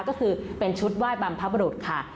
ก็คือเป็นชุดไหว้บรรพบรุษค่ะ